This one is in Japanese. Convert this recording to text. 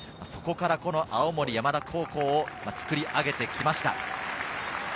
そこから青森山田高校を作り上げてきました。